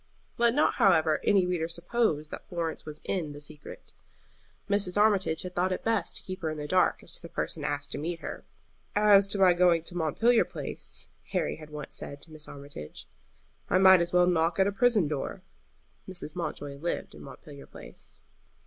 Let not, however, any reader suppose that Florence was in the secret. Mrs. Armitage had thought it best to keep her in the dark as to the person asked to meet her. "As to my going to Montpelier Place," Harry had once said to Mrs. Armitage, "I might as well knock at a prison door." Mrs. Mountjoy lived in Montpelier Place.